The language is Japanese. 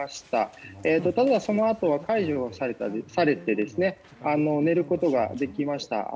ただ、そのあとは解除されて寝ることができました。